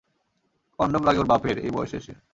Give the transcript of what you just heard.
Condom লাগে ওর বাপের, এই বয়সে এসে!